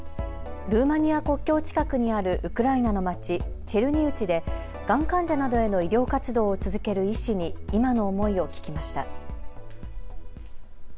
ルーマニア国境近くにあるウクライナのまち、チェルニウツィでがん患者などへの医療活動を続ける医師に今の思いを聞きました。